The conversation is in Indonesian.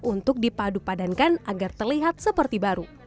untuk dipadupadankan agar terlihat seperti baru